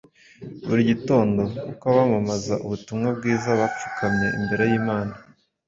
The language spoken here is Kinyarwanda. Buri gitondo uko abamamaza ubutumwa bwiza bapfukamye imbere y’Imana